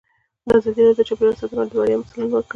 ازادي راډیو د چاپیریال ساتنه په اړه د بریاوو مثالونه ورکړي.